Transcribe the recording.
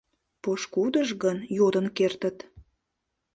— Пошкудыш гын, йодын кертыт.